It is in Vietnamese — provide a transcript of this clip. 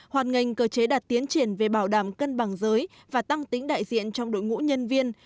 hoàn ngành cơ chế đạt tiến triển về bảo đảm cân bằng giới và tăng tính đại diện trong đội ngũ nhân viên